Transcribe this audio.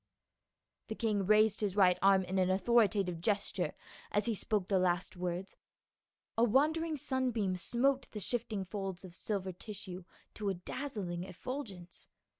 The king raised his right arm in an authoritative gesture as he spoke the last words ; a wandering sunbeam smote the shifting folds of silver tissue to a dazzling effulgence.